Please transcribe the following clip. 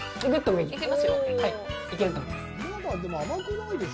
行けると思います。